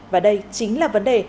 và đây chính là vấn đề